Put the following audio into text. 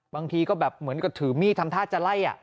บางทีก็แบบเหมือนกับถือมีดทำท่าจะไล่